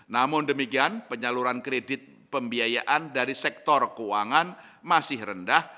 namun demikian penyaluran kredit pembiayaan dari sektor keuangan masih rendah